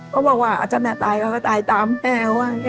ก็บอกว่าอาจารย์แต่ตายก็ตายตามแม่ภาพเค้าอ่ะนี้